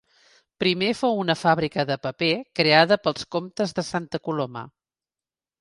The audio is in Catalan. Primer fou una fàbrica de paper creada pels comtes de Santa Coloma.